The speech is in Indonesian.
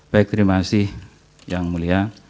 baik terima kasih yang mulia